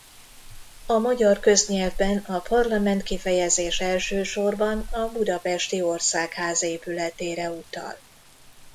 A magyar köznyelvben a parlament kifejezés elsősorban a budapesti Országház épületére utal.